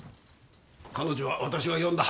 彼女は私が呼んだ。